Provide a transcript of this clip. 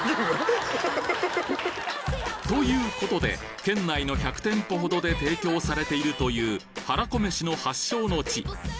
ハハハ。ということで県内の１００店舗ほどで提供されているというはらこめしの発祥の地